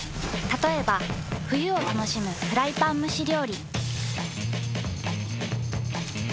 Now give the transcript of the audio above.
たとえば冬を楽しむフライパン蒸し料理。